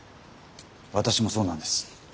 私もそうなんです。